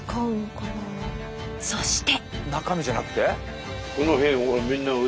そして。